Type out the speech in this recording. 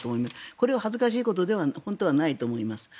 これは恥ずかしいことではないと思います。